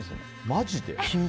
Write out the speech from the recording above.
マジで？